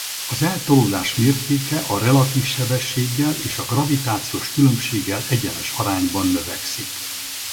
Az eltolódás mértéke a relatív sebességgel és a gravitációs különbséggel egyenes arányban növekszik.